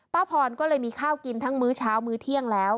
พรก็เลยมีข้าวกินทั้งมื้อเช้ามื้อเที่ยงแล้ว